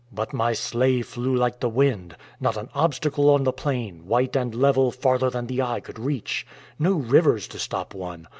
But my sleigh flew like the wind. Not an obstacle on the plain, white and level farther than the eye could reach! No rivers to stop one!